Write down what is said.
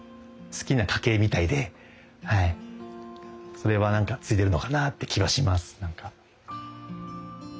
それはなんか継いでるのかなって気はしますなんか。